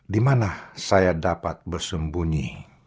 dimana saya dapat bersumbunyi